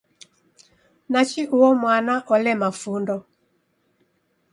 Nachi uo mwana olema fundo!